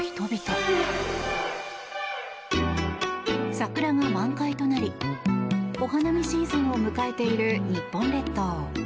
桜が満開となりお花見シーズンを迎えている日本列島。